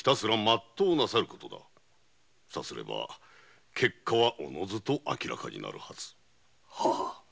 さすれば結果はおのずと明らかになるはず。